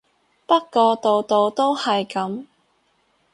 不過度度都係噉